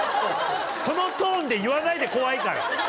そのトーンで言わないで、怖いから。